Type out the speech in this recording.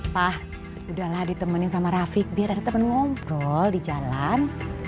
wah udahlah ditemenin sama rafiq biar ada temen ngobrol di jalan